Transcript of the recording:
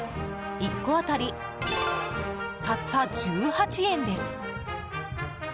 １個当たり、たった１８円です。